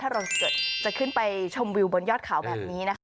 เราจะขึ้นไปชมวิวบนยอดเขาแบบนี้นะคะ